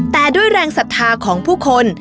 แต่ด้วยแรงศรัทธาของผู้คน